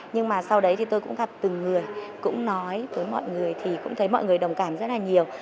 nhưng mà sau đấy thì tôi cũng gặp từng người cũng nói với mọi người thì cũng thấy mọi người đồng cảm rất là nhiều